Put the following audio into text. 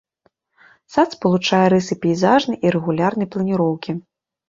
Сад спалучае рысы пейзажнай і рэгулярнай планіроўкі.